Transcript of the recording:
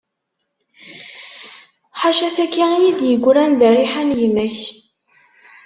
Ḥaca taki i yi-d-yegran d rriḥa n gma-k.